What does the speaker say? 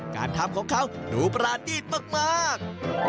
การทำของเขาดูประดีตมาก